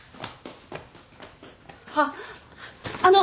あっあの！